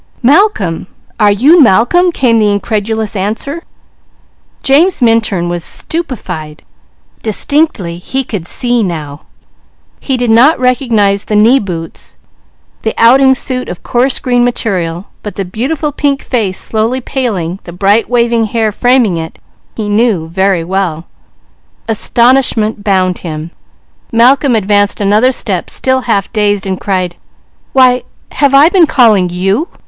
"Malcolm! Are you Malcolm?" came the incredulous answer. James Minturn was stupefied. Distinctly he could see now. He did not recognize the knee boots, the outing suit of coarse green material, but the beautiful pink face slowly paling, the bright waving hair framing it, he knew very well. Astonishment bound him. Malcolm advanced another step, still half dazed, and cried: "Why, have I been calling _you?